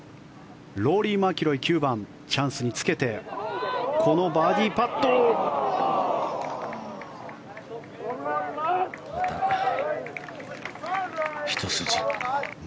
ローリー・マキロイ、９番チャンスにつけてこのバーディーパット。またひと筋。